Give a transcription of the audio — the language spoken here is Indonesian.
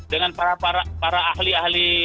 dengan para ahli ahli